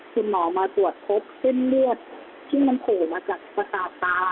คุณหมอมาตรวจทำพบขึ้นเลือดที่โผล่มาจากสตาปลา